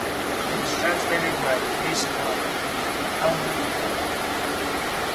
It was translated by Louise Maude and Aylmer Maude.